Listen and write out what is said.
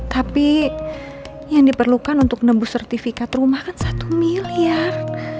tapi yang diperlukan untuk nembus sertifikat rumah kan satu miliar